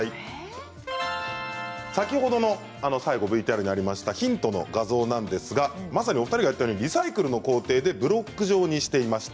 先ほどの最後ＶＴＲにありましたヒントの画像なんですがまさにお二人が言ったようにリサイクルの工程でブロック状にしていました。